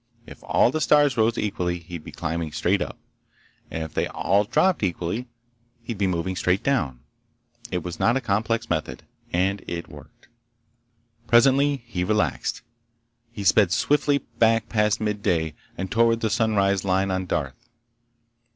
If all the stars rose equally he'd be climbing straight up, and if they all dropped equally he'd be moving straight down. It was not a complex method, and it worked. Presently he relaxed. He sped swiftly back past midday and toward the sunrise line on Darth.